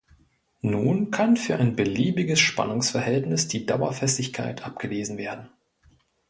Nun kann für ein beliebiges Spannungsverhältnis die Dauerfestigkeit abgelesen werden.